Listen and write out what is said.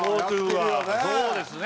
そうですね。